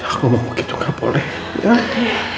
aku mau begitu gak boleh